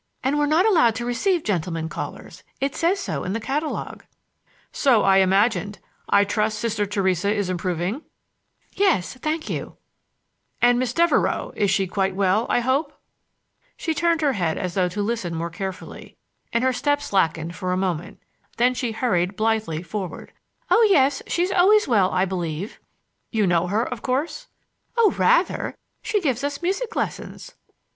"And we're not allowed to receive gentlemen callers,—it says so in the catalogue." "So I imagined. I trust Sister Theresa is improving." [Illustration: She marched before me, her hands in her pockets.] "Yes; thank you." "And Miss Devereux,—she is quite well, I hope?" She turned her head as though to listen more carefully, and her step slackened for a moment; then she hurried blithely forward. "Oh, she's always well, I believe." "You know her, of course." "Oh, rather! She gives us music lessons."